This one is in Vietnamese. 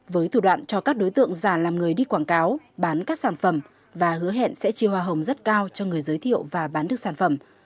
với thủ đoạn cho các đối tượng giả làm người đi quảng cáo bán các sản phẩm và hứa hẹn sẽ chia hoa hồng rất cao cho người giới thiệu và bán được sản phẩm